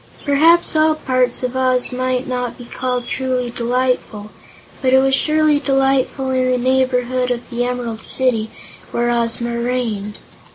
Perhaps all parts of Oz might not be called truly delightful, but it was surely delightful in the neighborhood of the Emerald City, where Ozma reigned.